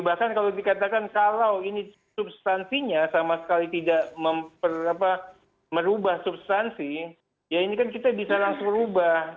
bahkan kalau dikatakan kalau ini substansinya sama sekali tidak merubah substansi ya ini kan kita bisa langsung ubah